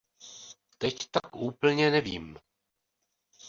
Teď tak úplně nevím.